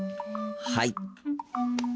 はい。